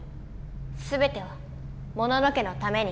すべてはモノノ家のために。